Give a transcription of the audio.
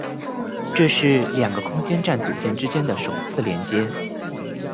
这是两个空间站组件之间的首次连接。